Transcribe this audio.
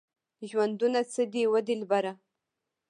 ژوندونه څه دی وه دلبره؟